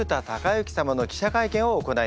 様の記者会見を行います。